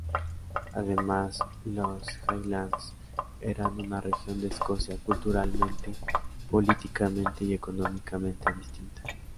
Además, los "Highlands" eran una región de Escocia culturalmente, políticamente y económicamente distinta.